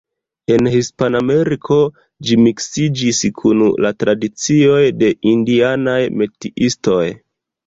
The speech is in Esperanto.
En Hispanameriko, ĝi miksiĝis kun la tradicioj de indianaj metiistoj.